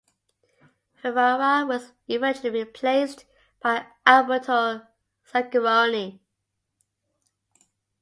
Ferrara was eventually replaced by Alberto Zaccheroni.